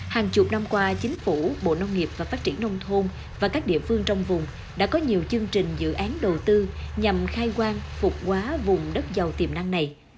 hàng chục năm qua chính phủ bộ nông nghiệp và phát triển nông thôn và các địa phương trong vùng đã có nhiều chương trình dự án đầu tư nhằm khai quang phục quá vùng đất giàu tiềm năng này